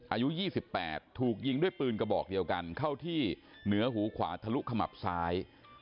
อายุ๒๘ถูกยิงด้วยปืนกระบอกเดียวกันเข้าที่เหนือหูขวาทะลุขมับซ้าย